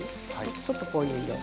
ちょっとこういう色。